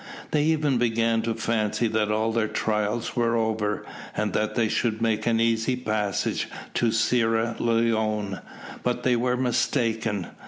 They even began to fancy that all their trials were over, and that they should make an easy passage to Sierra Leone, but they were mistaken.